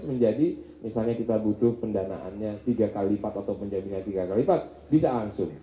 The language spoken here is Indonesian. menjadi misalnya kita butuh pendanaannya tiga kali lipat atau menjadinya tiga kali lipat bisa langsung